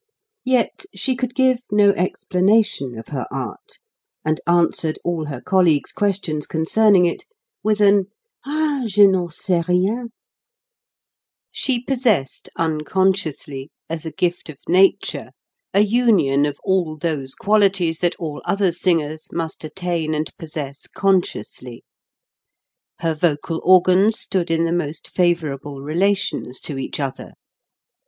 Yet she could give no explanation of her art, and answered all her colleagues' ques tions concerning it with an "Ah, je n'en sais rien!" She possessed, unconsciously, as a gift of nature, a union of all those qualities that all other singers must attain and possess consciously. Her vocal organs stood in the most favorable relations to each other.